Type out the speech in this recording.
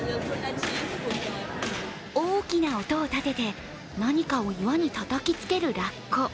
大きな音を立てて、何かを岩にたたきつけるラッコ。